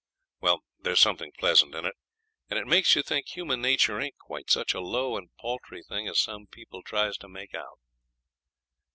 Well, there's something pleasant in it; and it makes you think human nature ain't quite such a low and paltry thing as some people tries to make out.